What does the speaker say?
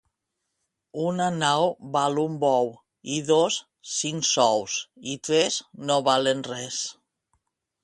Una nau val un bou; i dos, cinc sous; i tres, no valen res.